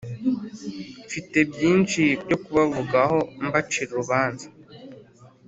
Mfite byinshi byo kubavugaho mbacira urubanza.